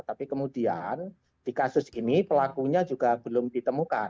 tapi kemudian di kasus ini pelakunya juga belum ditemukan